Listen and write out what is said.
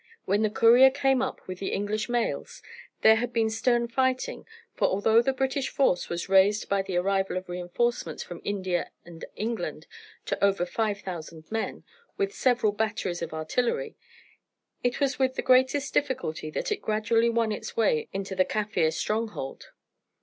When the courier came up with the English mails there had been stern fighting, for although the British force was raised by the arrival of reinforcements from India and England to over 5,000 men, with several batteries of artillery, it was with the greatest difficulty that it gradually won its way into the Kaffir stronghold.